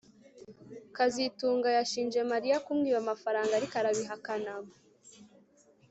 kazitunga yashinje Mariya kumwiba amafaranga ariko arabihakana